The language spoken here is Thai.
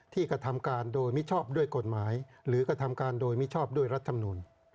กระทำการโดยมิชอบด้วยกฎหมายหรือกระทำการโดยมิชอบด้วยรัฐมนุน